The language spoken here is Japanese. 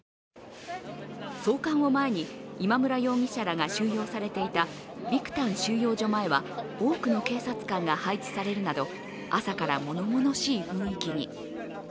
総監を前に、今村容疑者らが収容されていたビクタン収容所の前は多くの警察官が配置されるなど朝からものものしい雰囲気に。